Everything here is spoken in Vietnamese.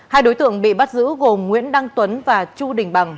hai đối tượng bị bắt giữ gồm nguyễn đăng tuấn và chu đình bằng